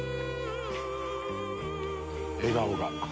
笑顔が。